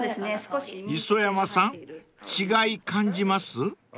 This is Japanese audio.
［磯山さん違い感じます？］